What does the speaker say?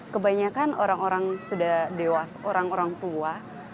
kebanyakan orang orang sudah dewasa orang orang tua